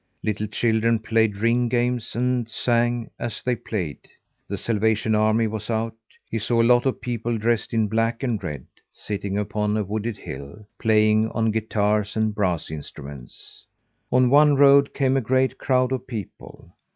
Little children played ring games, and sang as they played. The Salvation Army was out. He saw a lot of people dressed in black and red sitting upon a wooded hill, playing on guitars and brass instruments. On one road came a great crowd of people.